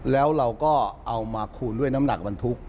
แล้วเราก็เอามาคูณด้วยน้ำหนักบรรทุก